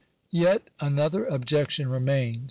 Yet another objection remains.